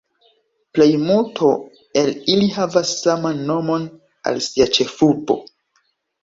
Plejmulto el ili havas saman nomon al sia ĉefurbo.